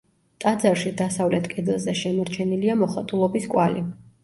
ტაძარში დასავლეთ კედელზე შემორჩენილია მოხატულობის კვალი.